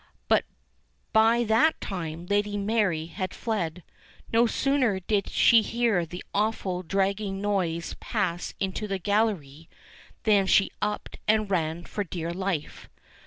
But by that time Lady Mary had fled ; for no sooner did she hear the awful, dragging noise pass into the gallery, than she upped and ran for dear life.